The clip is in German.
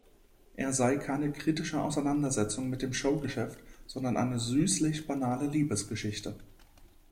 Er sei „keine kritische Auseinandersetzung mit dem Showgeschäft, sondern eine süßlich-banale Liebesgeschichte“.